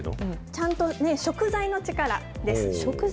ちゃんと食材の力です。